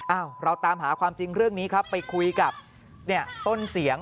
เราตามหาความจริงเรื่องนี้ครับไปคุยกับเนี่ยต้นเสียง